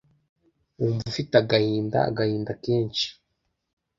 wumva ufite agahinda, agahinda kenshi